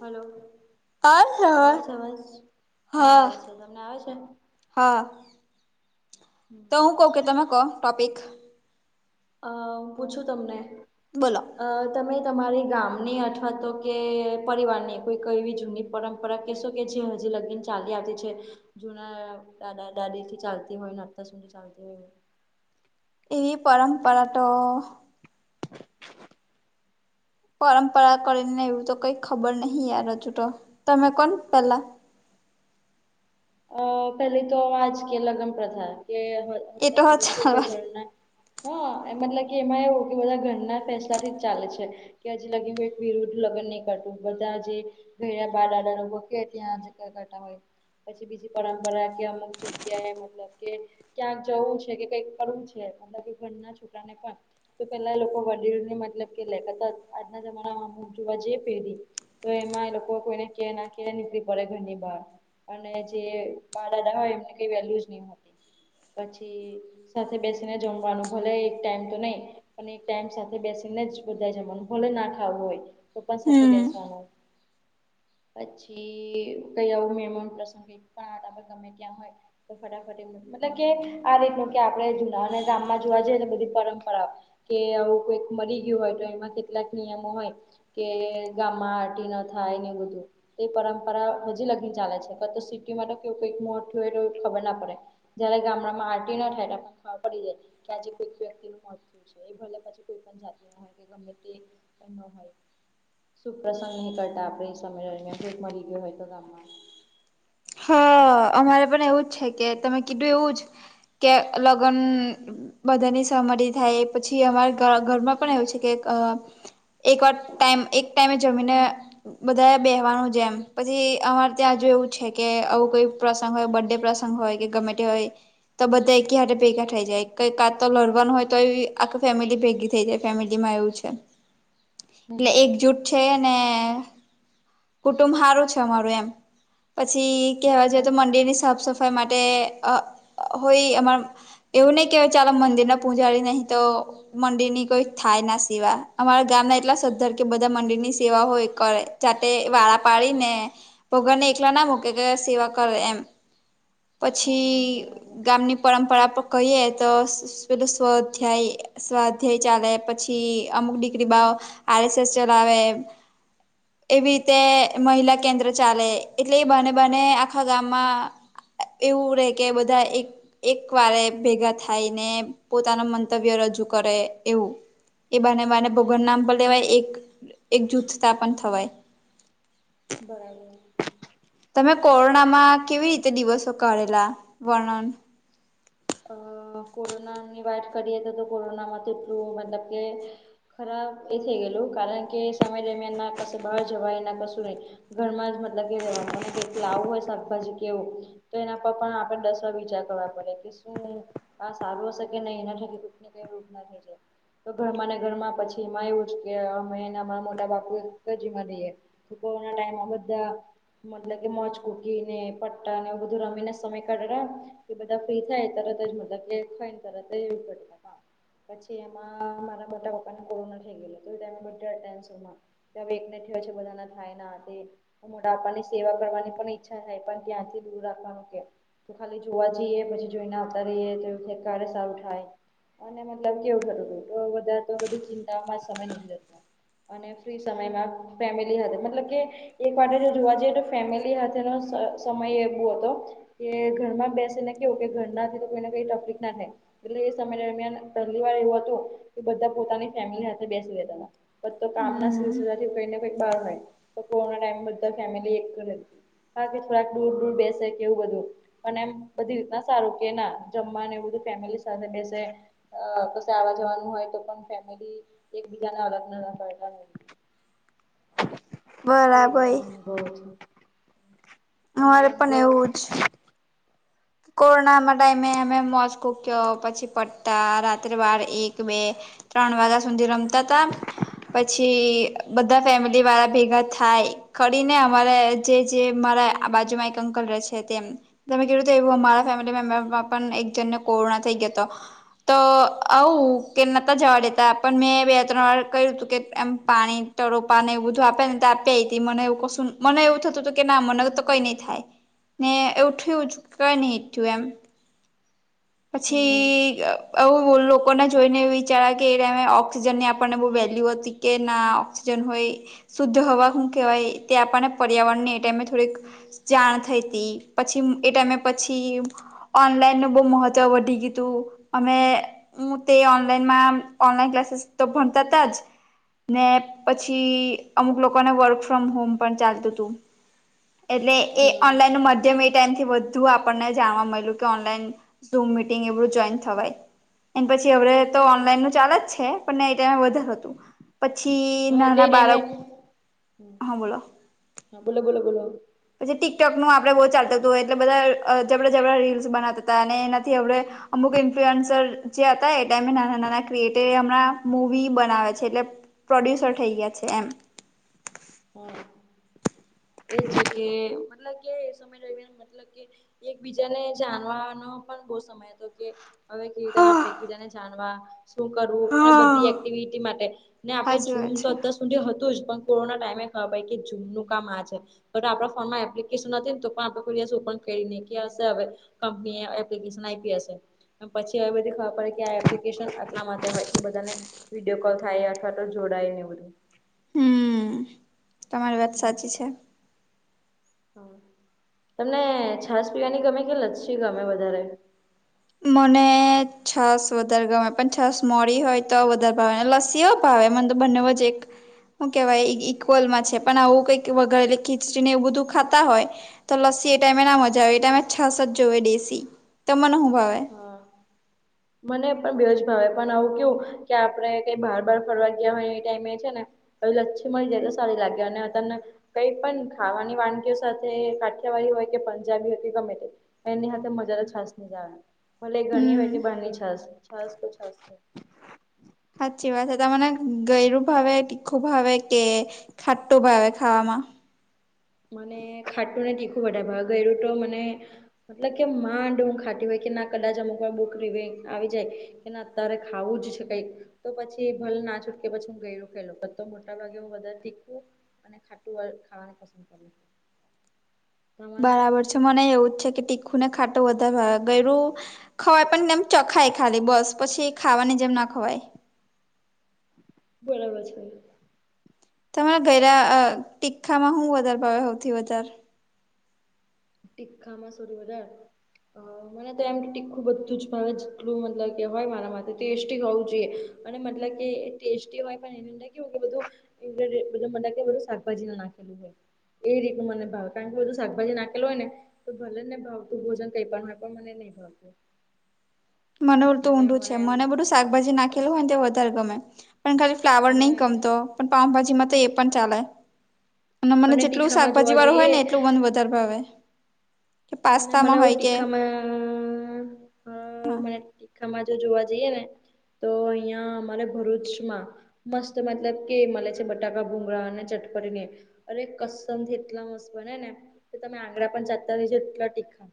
Hello અ આવે છે, અવાજ હા આવે છે, તમને આવે છે. હા તો હું કવ કે તમે કવ ટોપિક અ પૂછું તમને? બોલો. અ તમે તમારી ગામની અથવા તો કે પરિવારની કોઈક એવી જૂની પરંપરા કેશો કે જે હજી લગીન ચાલી આવતી છે જુના દાા દાદી થી ચાલતી હોયતા સુધી ચાલતી હોય એ પરરાંપરા તો પરંપરા કરીને એવું તો કઈ ખબર નહિ યાર હજૂ તો તમે કોણ પેલા અ પેલી તો આજ કે લગ્ન પ્રથા એ કે તો સુધ હ કું કે ચાલવા ઘરના હા એ મતલબ કે એમાં એવ કે બધા ઘરના ફેસલા થી જ ચાલે છે કે હજ લાગી એક વિરુદ્ધ લગ્ન નહીં કરતું બધા જે ઘ બારાડાો કે ત્યાં કરતા હોય. પછી બીજી પરંપરા કે અમુક જગ્યાએ મતલબ કે ક્યાંક જવું છે, કે કઈક કરવું છે, મતલબ કે ઘરના છોકરાને પણ તો પેલા લોકો વડીલો ને મતલબ કે લેતાતા આજના જમાનામાં જોવા જઈએ પેરી તો એમાં એ લોકો કોઈને કે ના કે નીકળી પડે ઘરની બહાર અને જે માળદા હોય એમને કઈ વેલ્યુજ ની હતી પછી સાથે બેસીને જમવાનું ભલે એક ટાઈમ તો નહી પણ એક ટાઈમ સાથે બેસીને જ બધા જમવાનું ભલે ના ખાવું હોય તોપન સાથે હમ બેસવાનું પછી કઈ આવું મેમ ગમે્યાં હોય તો ફટાફટ મતલબ કે આ કે આપડે જુનાને ગામમાં જોવા જઈએ બધી પરં પરા કે આવું કોઈક મરી ગયું હોય તો એમાં કેટલાક નિયમો હોય કે ગામમાં આરટી ન થાય ને બધું એ પરંપરા હજી લગી ચાલે છે. તો સીટીમા ત કેવુ કઈક મોટુ હોય ખબર ના પડે જયારે ગામડામાં આરટી ના થાય ખબર પડી જાય કે આજે કોઈક વ્યક્તિનું મોત છે, એ ભલે પછી કોઈ પણ જાતિ ના હોય કે ગમે તે ન હોય શુભ પ્રસંગ ની કરતા આપડે એ સમય દરમિયાન ભોગ મરી ગયો હોય તો ગામમાં હ અમારે પણ એવું જ છે, કે તમે કીધું એવું જ કે લગન બધાની સહમતી થાય પછી અમારે ધ ઘરમાં પણ એવું છે, કે અ એક વાર ટાઈમ એક ટાઈમે જમીને બધાએ બેહવાનું જેમ પછી અમારે ત્યા જેવું છે. કે આવું કોઈ પ્રસંગ હોય બડે પ્રસંગ હોય કે ગમે તે હોય તો બધા એકી હાથે ભેગા થઇ જાય કઈ કા તો લડવાનું હોય તો એ આખ ફેમિલી ભેગી થઈ જાય ફેમિલીમાં એવું છે. હમ એટલે હમ એકજૂટ છે, ને કુટુંબ સારું છે, અમારું એમ પછી કહેવા જોઈએ હા તો મંદિરની સાફ સફાઈ માટે અ હોય અમાર એવું નય કે ચાલો મંદિરના પૂજારી નહી તો મંદિરની કોઈ થાયના સિવા અમારા ગામના એટલા સ્ધર કે બધા મંદિરની સેવા હોય કરે જાતે વારા પાડી ને ભગવાને એકલા ના મૂકે કે સેવા કરે એમ હા પછી હા બરાબર ગામની પરંપરા કહીએ તો પેલુ સ્વાધ્યાય સ્વાધ્યાય ચાલે પછી અમુક દીગ્રી બાાવ આરએસએસ ચલાવે એવી રીતે મહિલા કેન્દ્ર ચાલે એટલે એ બાને બાને આખા ગામમાં એવું રે કે બધા એ એક વારે ભેગા થાયને પોતાના મંતવ્ય રજૂ કરે એવું એ બાને બાને હમ ભોગવાન નામ પર લેવાય એક એક જૂથતા પન થવાય બરાબર. તમે કોરોનામાં કેવી રીતે દિવસો કારેલા વર્ણન અ કોરોનાની વાત કરીએ તો તો કોરોનામાં તેટલું મતલબ કે ખરાબ એ થઈ ગયેલું કારણ કે સમય દરમિયાન ના કશું બહાર જવાય ના કશું નહી ઘરમાં જ મતલબ કે રેવાનું અને કઈક લાવું હોય શાકભાજી કેવું તો એના પર પણ આપડે દસ વિચાર કરવા પડે કે આ સારું હશે કે નહી એના કી કૂટ ને કઈ રૂપ નાઈ જાય. તો ધરમા ને ધરમાં પછી એમાં એવુંજ કે અમે એના મોટા [unintelligible] તો કોરોના ટાઈમે બધા મતલબ કે મોજ કૂકી ને પટ્ટા ને એવુ બધું રમીને સમય કાઢડા એ બધા ફ્રી થાય તરતજ બધા કે ખાઈને તરતજ એવું કરે પછી એમાં મારા મોટા પપ્પાને કોરોના થઈ ગયેલો હતો તેમાં બધા ટેન્શનમાં ત્યાં વેગને થયો છે બધાના થાય ના તે મોટાપાની સેવા કરવાની પણ ઈચ્છા થાય પણ ત્યાંથી દૂર રાખવાનું કેમ. તો ખાલી જોવા જઈએ પછી જોઈને આવતા રહીએ તો ક્યારે સારું થાય. અને મતલબ કેવું ખરું તો બધા તો બધી ચિંતાઓમાં સમય નીકડી જતો. અને ફ્રી સમયમાં ફેમિલી સાથે મતલબ કે એક વાતે જો જોવા જઈએ તો ફેમિલી સાથેનો સમય એવો હતો. કે ઘરમાં બેસે ને કેવું કે ઘર ના થી તો કોઈને કઈ તપલીક ના થાય એટલે એ સમય દરમિયાન પહેલી વાર એવું હતું કે બધા પોતાની ફેમિલી સાથે બેસી રેતા હતા. તો કામના દિવસ કઈક ને કંઈક બાર હોય તો કોરોના ટાઈમ બધા ફેમિલી એક હતી. હા કે થોડાક દૂર દૂર બેસે કે એવું બધું અને એમ બધી રીતના જ સારું કે ના જમવા ને એવું બધું ફેમિલી સાથે બેસે અ કસે આવા જવાનું હોય તો પણ ફેમેલી એકબીજાને અડગના કરતા [inaudible] એ બરાબર રીતનો અનુભવ હતું તમારો અમારે પણ અનુભવ એવું જ કોરોનામાં ટાઈમે અમે મોસ કૂક્યો પછી પટ્ટા રાત્રે બાર એક બે ત્રણ વાગ્યા સુધી રમતા હતા. પછી બધા ફેમિલી વાળા ભેગા થાય. કરીને અમારા જે જે મારા આ બાજુમાં એક અંકલ રહે છે તેમ તમે કીધું તો એવું અમારા ફેમિલી મેમ્બરમાં પણ એક જન ને કોરોના થઈ ગયો હતો. તો આવું કે નતા જવા દેતા પણ મેં બે ત્રણ વાર કહ્યું હતું કે એમ પાણી તો રોપા ને એવું બધું આપે ને આપી આવી હતી મને એવું કશું મને એવું થતું હતું કે ના મને તો કઈ નઈ થાય ને એવું થયું જ કે નહી થયું એમ હમ પછી અ આવું એ લોકોને જોઈને એ વિચારા કે એ ટાઈમે ઓક્સિજન ની આપણને બહુ વેલ્યુ હતી કે ના ઑક્સિજન હોય શુદ્ધ હવા શું કહેવાય તે આપણને પર્યાવરણને એ ટાઈમે થોડીક જાણ થઈ હતી પછી એ ટાઈમે પછી ઓનલાઈનનો બહુ મહત્વ તો વધી ગયું હતું અમે હું તે ઓનલાઈનમાં ઓનલાઈન ક્લાસીસ તો ભણતા તા જ ને પછી અમુક લોકોને વર્ક ફ્રોમ હોમ પણ ચાલતું હતું. એટલે એ હમ ઓનલાઈન નું માધ્યમ એ ટાઈમથી વધુ આપણને જાણવા મળ્યું કે ઓનલાઈન ઝૂમ મિટિંગ એવું જોઈન થવાય એ પછી હવે તો હમ ઓનલાઈન નું ચાલે જ છે. આપણને એ ટાઈમ વધારે હતું પછી હા એટલે નાના જ એમે બાળક હા બોલો. હા બોલો બોલો બોલો પછી ટીકટોક નું આપણે બહુ ચાલતું હતું હોય એટલે બધા અ જબરા જબરા રીલ્સ બનાવતા હતા અને એનાથી આપણે અમુક ઇન્ફ્લુઅન્સર જે હતા એ ટાઈમે નાના નાના ક્રિએટર હમણાં મુવી બનાવે છે એટલે પ્રોડ્યુસર થઈ ગયા છે એમ. હો એ છે કે મતલબ કે એ સમય દરમિયાન મતલબ એકબીજાને જાણવાનો પણ બહુ સમ તો કે હવે કે રીતે આપણે એકબીજાને જાણવા શું કરવું અને હા બધી એક્ટિવિટી માટે ને આપણે સાચી ઝૂમ વાત તો છે. અત્યાર સુધી હતું જ પણ કોરોના ટાઈમે ખબર પડી કે ઝૂમનું કામ આ છે તો આપણા ફોનમાં એપ્લિકેશન હતી ને તો પણ આપણે કોઈ દિવસ ઓપન કરી નહી કે હશે હવે કંપની એપ્લિકેશન આપી હશે પછી હવે બધી ખબર પડે કે આ એપ્લિકેશન એલા માટે હોય કે બધાને વિડીયો કોલ થાય અથવા તો જોડાય ને બધું હમ્મ તમારી વાત સાચી છે. હમ્મ તમને છાસ પીવાની ગમે કે લચ્છી ગમે વધારે મને છાસ વધારે ગમે પણ છાસ મોળી હોય તો વધારે ભાવે ને લસીઓ ભાવે મને તો બંને વચ્ચે એક શું કહેવાય ઈક્વલમાં છે પણ આવું કઈક વધારેલી ખીચડીને એવું બધું ખાતા હોય તો લસ્સી એ ટાઈમે ના મજા આવે એ ટાઈમે છાસ જોવે દેશી તો મને હું ભાવે હા મને પણ બેવુ જ ભાવે પણ આવું કેવું કે આપણે કઈ બાર બાર ફરવા ગયા હોય એ ટાઈમે છે ને હવે લચ્છી મળી જાય તો સારી લાગે અને તને કઈ પણ ખાવાની વાનગીઓ સાથે કાઠિયાવાડી હોય કે પંજાબી હોય કે ગમે તે. એની હાથે મસાલા છાસની મજા આવે ભલે ઘરની હોય હમ કે બહારની છાસ છાસ તો છાસ સે. સાચી વાત તમને ગળ્યું ભાવે તીખું ભાવે કે ખાટું ભાવે ખાવામાં મને ખાટું ને તીખું વધારે ભાવે ગળ્યું તો મને મતલબ કે માંડ હું ખાટી હોય કે ના કદાચ અમુક વાર બુકરી આવી જાય એને અત્યારે ખાવું જ છે કંઈક તો પછી ભલ ના છૂટકે પછી હું ગય લખેલો તો મોટા ભાગે હું બધાથી અને ખાટું ખાવાનું પસંદ કરું તમારે બરાબર છે મને એવું જ છે કે તીખું ને ખાટું વધારે ગળ્યું ખવાય પણ તેમ ચખાય ખાલી બસ પછી ખાવાની જેમ ના ખવાય બરાબર છે. તમારા ગળ્યું તીખામાં શું વધારે ભાવે સૌથી વધારે ટી્ખામાં સોધ વધાર અ મને તો એમ તીખું બધું જ ભાવે જેટલું મતલબ કે હોય મારામાં સ્ટી હોવું જોઈએ અને મતલબ કે સ્ટી હોય પણ [unintelligible] શાકભાજી નાખેલું હોય એ રીત મને ભાવ કારણ કે બધ શાકભાજી નાખ હોય ને તો ભલેને ભાવતું ભોજન કઈ પણય પણ મને નહી ભાવતું મને તું એટલે ઊંડું છે એમ મને બધું શાકભાજી બસ નાખેલું હોય ને વધારે ગમે પણ ખાલી ફ્લાવર અને નહી કમતો પણ પાઉભાજીમાં તો એ પણ ચાલે અને મને જેટલું તીખામાં શાકભાજી જોવા વાળું હોય જઈએ ને એટલું મંધ વધારે ભાવે કે મને પાસ્તામાં આવું હોય કે તીખામાં [unintelligible] હા મને તીખામાં જો જોવા જઈએ ને તો અહિયાં અમારે ભરૂચમાં મસ્ત મતલબ કે મળે છે બટાકા ભુંગળા અને ચટપડીને અરે કસ એટલા મસ બને ને તમે આંગણા પણ ચાલતા રજો [unintelligible] ટીખા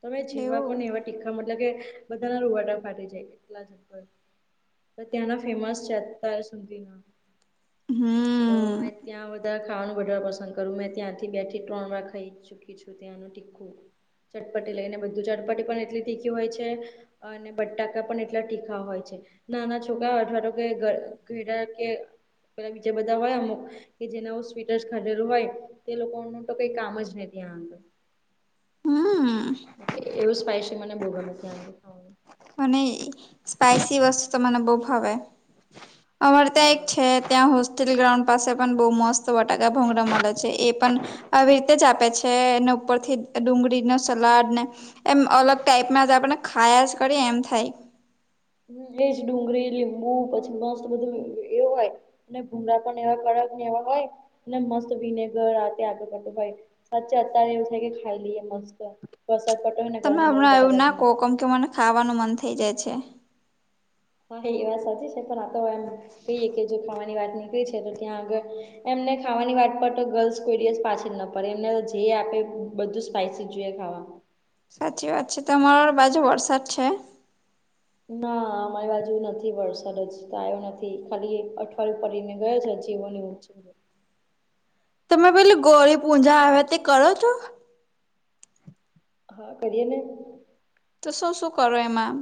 તમે એવું જીવવાકોને તીખા મતલબ કે બધા ના રોવાટા ફાટી જાય એટલા જ તો ત્યાંના ફેમસ છે અતાર સુધીના હમ તોમે ત્યાં વધારે ખાવાનું બર પસંદ કરું મેં ત્યાંથી બે થી ત્રણ વાર ખાઈ ચૂકી છું ત્યાંનું ટીખું ચટપટી લઈને બધું ચટપટી પણ એટલી તીખી હોય છે. અને બટાકા પણ એટલા તીખા હોય છે. નાના છોકરાઓ અથવા તો કે ઘડા કે પ બીજ બધા હોય અમુક કે જેને સ્વીટ ખાઢેલું હોય તે લોકોનું તો કઈ કામ જ નહ ત્યાં અર હમ એવું સ્પાય છે મને બોગને ત્યાં ખાવાનું મને સ્પાયસી વસ્તુ તો મને બહુ ભાવે અમારે ત્યાં એક હા છે ત્યાં હોસ્ટેલ ગ્રાઉન્ડ પાસે પણ બહુ મસ્ત બટાકા ભોંગડા મળે છે એ પણ આવી રીતે જ આપે છે. છે એને ઉપર થી ડુંગળી ન સલાડ ને એમ અલગ ટાઈપમાં જ આપણે ખાયાસ કરી એમ થાય એજ ડુંગળી લીબૂ પછી મસ્ બધું એવું હોય અને ભૂમરા પણ એવા કડક ને એવા હોય એટલે મસ્ત વિનેગર આતે આગળું ભાઈ સાચે અત્યારે એવું થાય કે ખાઈ લઈએ મસ્ત બસત પટો ના તમે ગરમ ગરમ હમણાં એવું બટાકા ના કહો ભૂગરા કેમ કે મને ખાવાનું મન થઈ જાય છે. હા એ વાત સાચી છે પણ આ તો એમ કહીએ કે જો ખાવાની વાત નીકળી છે તો ત્યાં આગળ એમને ખાવાની વાત પર તો ગર્લ્સ કોઈ દિવસ પાછળ ન પણ એમને જે આપે બધું સ્પાઈસી જોઈએ ખાવા. સાચી વાત છે તમારા બાજુ વરસાદ છે? ના અમારી બાજુ નથી વરસાદ જ તો આવ્યો નથી ખાલી અઠવાડિયું પડીને ગયો છે. [unintelligible] તમે પેલી ગૌરી પૂજા આવે તે કરો છો? હા કરીએ ને. તો શું શું કરો એમાં?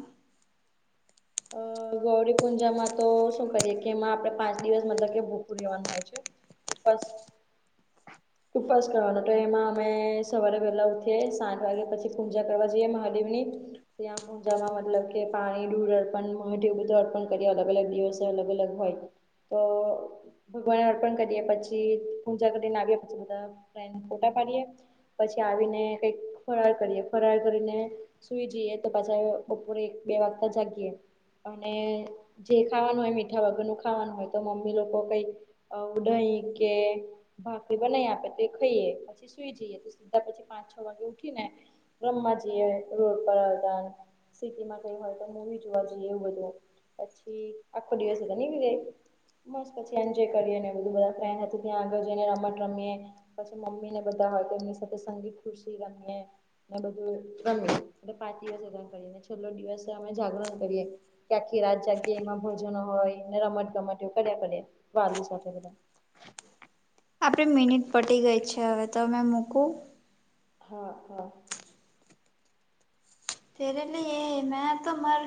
અ ગૌરી પુંંજામાં તો શું કરીએ કે એમાં આપડે પાંચ દિવસ મતલબ કે ભુખુ રહેવાનું હોય છે. ઉપાસ. ઉપવાસ કરવાનો તો એમાં અમે સવારે વહેલા ઉઠીએ સાત વાગે પછી પૂજા કરવા જઈએ મહાદેવ ની. ત્યાં પુજામાં મતલબ કે પાણી દૂધ બધ અર્પણ કરી અલગ અલગ દિવસે અલગ અલગ હોય તો. ભગવાને અર્પણ કરીએ પછી પૂજા કરીને આવ્યા પછી બધા ફોટા પાડીએ. પછી આવીને કઈક ફરાળ કરીએ ફરાર કરીને સુઈ જઈએ તો પાછા બપોરે બે વાગતા જાગીએ અને જે ખાવાનું હોય મીઠા વગર નું ખાવાનું હોય તો મમ્મી લોકો કઈક દહી કે ભાફરી બનાવી આપે તે ખાઈએ. પછ સુઈ જઈએ તો સીધા પછી પાંચ છ વાગે ઉઠી ને રમવા જઈએ રોડ પર હતા સિટીમાં કઈ હોય તો મુવી જોવા જઈએ. એવું બધું પછી આખો દિવસ રમીને મસ્ત પછી એન્જોય કરીએ ને બધું બધા ફ્રેન્ડ હતું ત્યાં આગળ જઈને રમત રમીએ પછી મમ્મી ને બધા હોય તો એમની સાથે સંગીત ખુશી રમીયે. બધું રમે એ પાંચ દિવસ એ કરીને છેલ્લો દિવસ અમે જાગરણ કરીએ કે આખી રાત જાગીયે એમાં હોય ને રમત ગમત કર્યા પડ વાલી સાથે બધા. આપણી મિનિટ પતી ગઈ છે હવે તમે મૂકું! હા હા તેરે લિયે મે તો મર